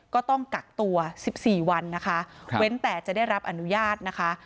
ก็ต้องกักตัว๑๔วันนะคะเว้นแต่จะได้รับอนุญาตนะคะ